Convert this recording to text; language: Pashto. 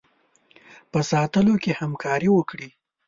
په ساتلو کې همکاري وکړي.